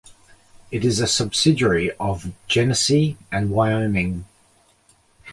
It is a subsidiary of Genesee and Wyoming.